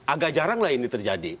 agak jaranglah ini terjadi